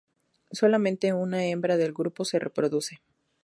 Solamente una hembra del grupo se reproduce.